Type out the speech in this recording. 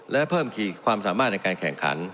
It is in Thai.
และเพิ่มขีดความสามารถในการแข่งขัน